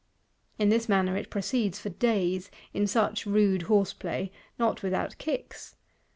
In this manner it proceeds for days; in such rude horse play,—not without kicks.